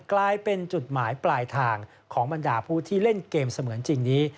กลายเป็นจุดหมายปลายทางของบรรดาผู้ที่เล่นเกมเสมือนจริงนี้